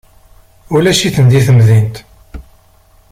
Ulac-iten deg temdint.